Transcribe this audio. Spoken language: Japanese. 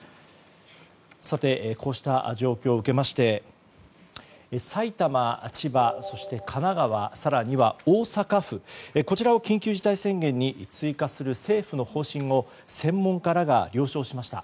さて、こうした状況を受けまして埼玉、千葉、そして神奈川更には大阪府こちらを緊急事態宣言に追加する政府の方針を専門家らが了承しました。